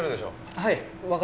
はい。